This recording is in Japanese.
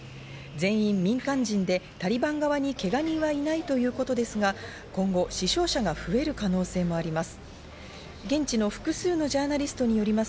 全員民間人でタリバン側にけが人はいないということですが、今後、死傷者が増える可能性もあります。